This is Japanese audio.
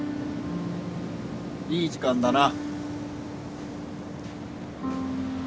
・いい時間だな。